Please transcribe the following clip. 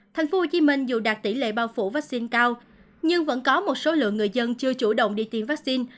thành phố hồ chí minh dù đạt tỷ lệ bao phủ vaccine cao nhưng vẫn có một số lượng người dân chưa chủ động đi tiêm vaccine